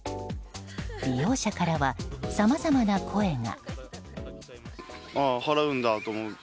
利用者からは、さまざまな声が。